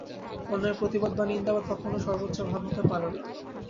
অন্যায়ের প্রতিবাদ বা নিন্দাবাদ কখনও সর্বোচ্চ ভাব হতে পারে না।